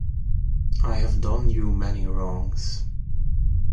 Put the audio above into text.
I have done you many wrongs.